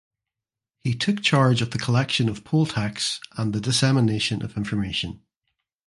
He took charge of the collection of poll tax and the dissemination of information.